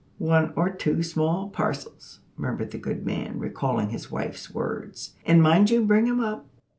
"`One or two small parcels,'" murmured the good man, recalling his wife's words; "`and mind you bring 'em up.'